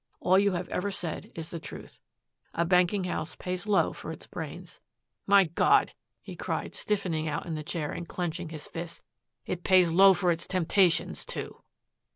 All you have ever said is the truth. A banking house pays low for its brains. My God!" he cried stiffening out in the chair and clenching his fists, "it pays low for its temptations, too."